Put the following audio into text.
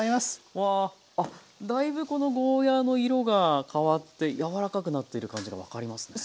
うわあっだいぶこのゴーヤーの色が変わって柔らかくなってる感じが分かりますね。